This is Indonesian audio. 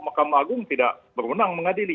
mahkamah agung tidak berwenang mengadili